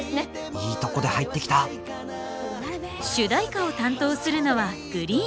いいとこで入ってきた主題歌を担当するのはＧＲｅｅｅｅＮ。